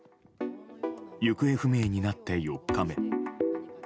行方不明になって４日目。